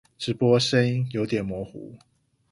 直播聲音有點模糊